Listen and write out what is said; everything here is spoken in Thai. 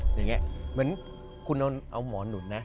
เหมือนคุณเอาหมอนหนุนนะ